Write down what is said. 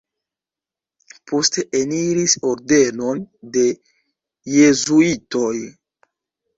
Poste eniris ordenon de jezuitoj.